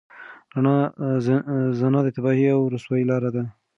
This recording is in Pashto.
زنا د تباهۍ او رسوایۍ لاره ده.